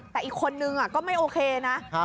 แต่อีกคนนึงก็ไม่โอเคนะ